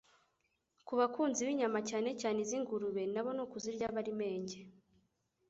Ku bakunzi b'inyama cyane cyane iz'ingurube nabo ni ukuzirya bari menge